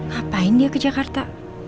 ngapain dia ke jakarta